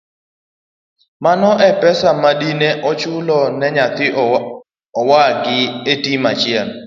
Mano e pesa madine ochula ne nyathi owagi e tam achiel.